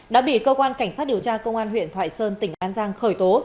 đã bị cơ quan cảnh sát điều tra công an huyện thoại sơn tỉnh an giang khởi tố